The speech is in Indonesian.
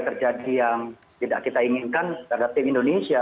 terjadi yang tidak kita inginkan terhadap tim indonesia